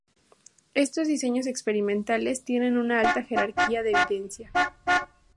Estos diseños experimentales tienen una alta jerarquía de evidencia.